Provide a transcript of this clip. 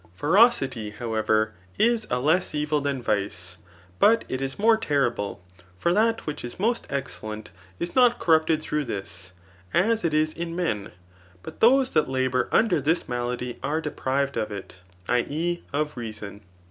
Ferocity, however, is a less evil than vice, but it is more terrible ; for that which is most excellent, is not corrupted through this, as it is in men ; but those that labour under this malady are deprived of it, [i. e. of rea son.